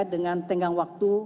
dengan tenggang waktu